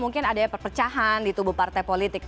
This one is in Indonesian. mungkin ada perpecahan di tubuh partai politik